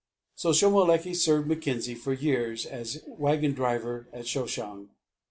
So Shomolekae served Mackenzie for years as wagon driver at Shoshong.